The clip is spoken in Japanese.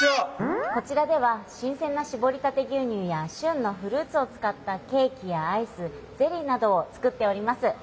こちらでは新せんなしぼりたて牛乳やしゅんのフルーツをつかったケーキやアイスゼリーなどをつくっております。